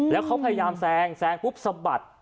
แล้วเขาพยายามแซงแซงปุ๊บสะบัด